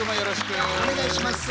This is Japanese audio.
お願いします。